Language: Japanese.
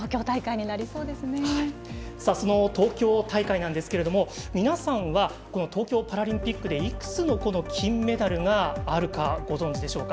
東京大会なんですけれども皆さんは東京パラリンピックでいくつの金メダルがあるかご存じでしょうか。